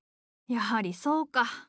やはりそうか。